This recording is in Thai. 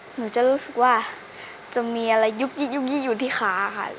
หนูจะรู้สึกว่าจะมีอะไรยุบยิกอยู่ที่ขาค่ะ